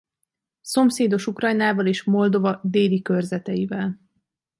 Szomszédos Ukrajnával és Moldova déli körzeteivel.